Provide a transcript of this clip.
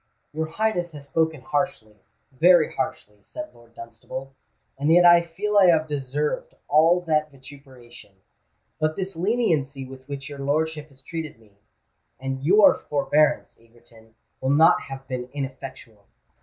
"Your Highness has spoken harshly—very harshly," said Lord Dunstable; "and yet I feel I have deserved all that vituperation. But this leniency with which your lordship has treated me—and your forbearance, Egerton—will not have been ineffectual.